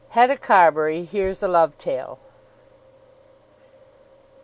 HETTA CARBURY HEARS A LOVE TALE.